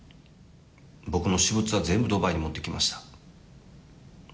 僕の私物は全部ドバイに持ってきました。